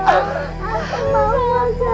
aku mau makan